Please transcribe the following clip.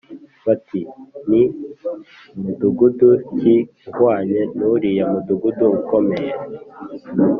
bati “Ni mudugudu ki uhwanye n’uriya mudugudu ukomeye?”